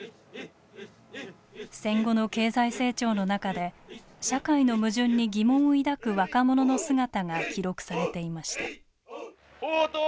戦後の経済成長の中で社会の矛盾に疑問を抱く若者の姿が記録されていました。